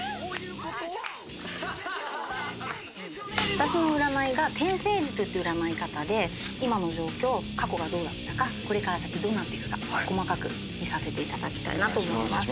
私の占いが天星術っていう占い方で今の状況過去がどうだったかこれから先どうなってくか細かく見させていただきたいなと思います。